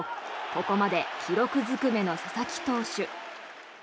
ここまで記録ずくめの佐々木投手。